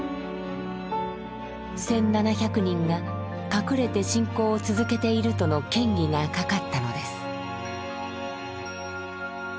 １，７００人が隠れて信仰を続けているとの嫌疑がかかったのです。